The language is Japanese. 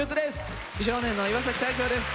美少年の岩大昇です。